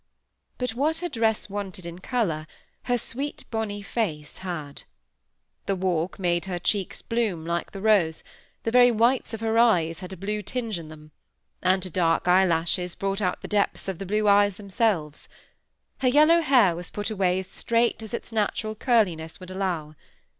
But what her dress wanted in colour, her sweet bonny face had. The walk made her cheeks bloom like the rose; the very whites of her eyes had a blue tinge in them, and her dark eyelashes brought out the depth of the blue eyes themselves. Her yellow hair was put away as straight as its natural curliness would allow.